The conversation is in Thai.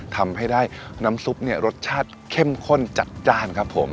ทำให้ได้น้ำซุปเนี่ยรสชาติเข้มข้นจัดจ้านครับผม